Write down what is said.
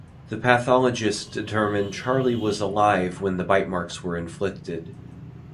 The pathologist determined Charlie was alive when the bite marks were inflicted.